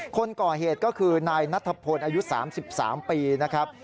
คนก่อเหตุก็คือนายนัทพลอายุ๓๓ปีนะครับ